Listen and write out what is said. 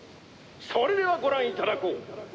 それではご覧いただこう。